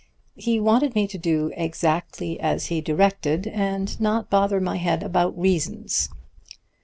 He wanted me to do exactly as he directed, and not bother my head about reasons.